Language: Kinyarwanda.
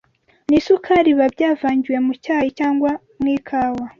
n’isukari biba byavangiwe mu cyayi cyangwa mw’ikawa.